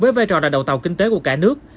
với vai trò là đầu tàu kinh tế của cả nước